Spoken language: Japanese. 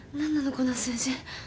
この数字。